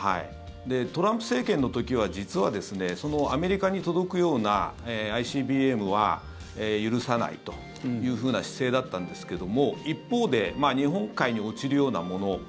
トランプ政権の時は実はアメリカに届くようなＩＣＢＭは許さないというふうな姿勢だったんですけども一方で日本海に落ちるようなもの